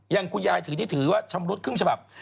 อย่างคุณยายถือนี่ถือว่าชำรุดครึ่งฉบับ